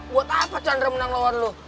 buat apa chandra menang lawan lo